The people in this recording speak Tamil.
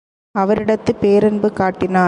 அவரிடத்துப் பேரன்பு காட்டினான்.